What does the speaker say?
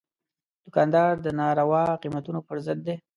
دوکاندار د ناروا قیمتونو پر ضد دی.